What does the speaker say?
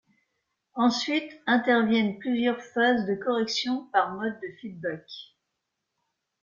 Ensuite interviennent plusieurs phases de correction par mode de Feedback.